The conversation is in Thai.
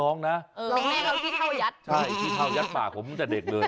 ร้องแม่เขาขี้เท่ายัดคือหรือเปล่าใช่ขี้เท่ายัดป่าผมตั้งแต่เด็กเลย